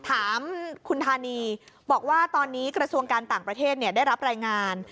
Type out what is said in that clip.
ถามคุณธานีบอกว่าตอนนี้กระทรวงการต่างประเทศได้รับรายงาน